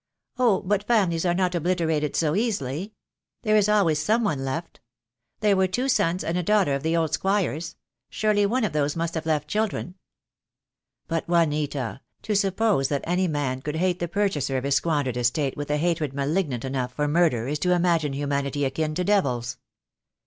"Oh, but families are not obliterated so easily. There is always some one left. There were two sons and a daughter of the old squire's. Surely one of those must have left children." "But, Juanita, to suppose that any man could hate the purchaser of his squandered estate with a hatred 158 THE DAY WILL COME. malignant enough for murder is to imagine humanity akin to devils."